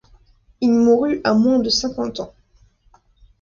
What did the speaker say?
Il mourut à moins de cinquante ans.